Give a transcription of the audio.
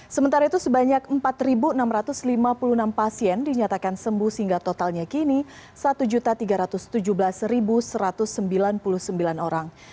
sementara itu sebanyak empat enam ratus lima puluh enam pasien dinyatakan sembuh sehingga totalnya kini satu tiga ratus tujuh belas satu ratus sembilan puluh sembilan orang